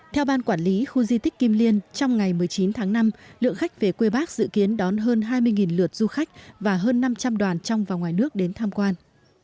theo ban quản lý khu di tích kim liên trong ngày một mươi chín tháng năm lượng khách về quê bác dự kiến đón hơn hai mươi lượt du khách và hơn năm trăm linh đoàn trong và ngoài nước đến tham quan